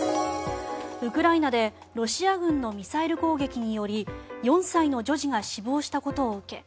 ウクライナでロシア軍のミサイル攻撃により４歳の女児が死亡したことを受け